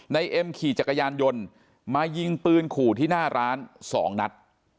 เอ็มขี่จักรยานยนต์มายิงปืนขู่ที่หน้าร้าน๒นัด